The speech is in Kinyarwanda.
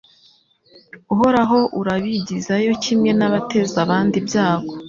Uhoraho urabigizeyo kimwe n’abateza abandi ibyago